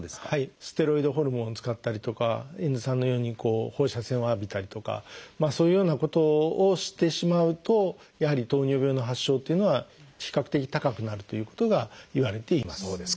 ステロイドホルモンを使ったりとか遠津さんのように放射線を浴びたりとかそういうようなことをしてしまうとやはり糖尿病の発症というのは比較的高くなるということがいわれています。